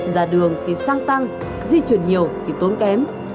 ra đường thì xăng tăng di chuyển nhiều thì tốn kém